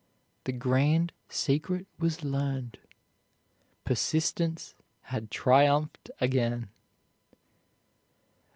The grand secret was learned. Persistence had triumphed again.